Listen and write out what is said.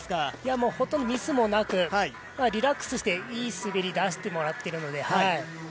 もうほとんどミスもなく、リラックスしていい滑りを出してもらってるので。